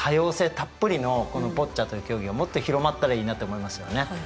たっぷりのこのボッチャという競技をもっと広まったらいいなと思いますよね。